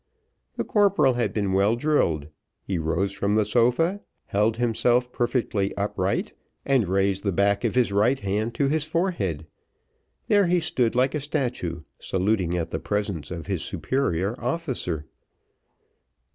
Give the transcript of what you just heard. The corporal had been well drilled, he rose from the sofa, held himself perfectly upright, and raised the back of his right hand to his forehead, there he stood like a statue saluting at the presence of his superior officer.